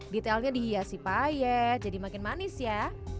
detailnya dihiasi payet jadi makin manis ya